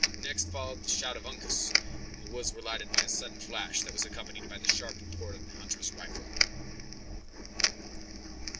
Next followed the shout of Uncas, when the woods were lighted by a sudden flash, that was accompanied by the sharp report of the hunter's rifle.